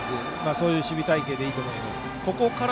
そういう守備隊形でいいと思います。